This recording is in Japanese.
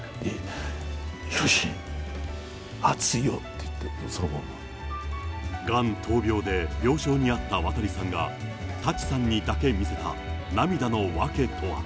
ひろし、熱いよって、がん闘病で病床にあった渡さんが、舘さんにだけ見せた涙の訳とは。